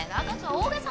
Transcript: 大げさ。